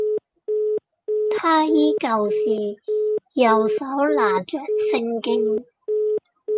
他依舊是右手拿著聖經